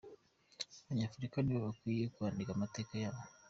Abanyafurika nibo bakwiye kwandika amateka yabo.